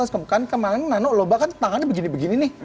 kan kemarin nano lo bahkan tangannya begini begini nih